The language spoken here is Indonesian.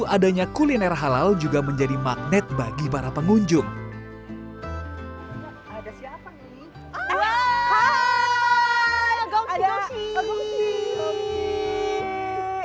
adanya kuliner halal juga menjadi magnet bagi para pengunjung ada siapa nih